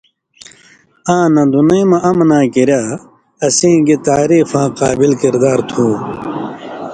آں نہ دُنئ مہ امناں کریا اسیں گی تعریفاں قابل کِردار تُھو۔